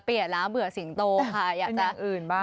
เปลี่ยนแล้วเบื่อสิงโตค่ะอยากจะอย่างอื่นบ้าง